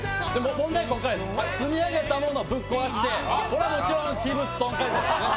問題はこっからです、積み上げたものをぶっ壊して、これはもちろん器物損壊罪ですね